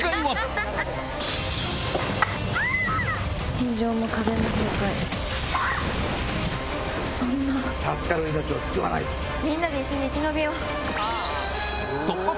・天井も壁も崩壊・・助かる命を救わないと・みんなで一緒に生き延びよう。